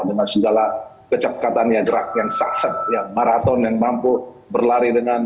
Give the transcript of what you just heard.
dengan segala kecekatannya gerak yang saksat yang maraton yang mampu berlari dengan